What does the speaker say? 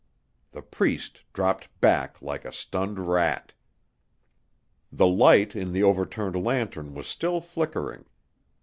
The priest dropped back like a stunned rat. The light in the overturned lantern was still flickering.